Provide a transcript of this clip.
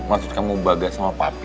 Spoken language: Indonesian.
maksud kamu baga sama papi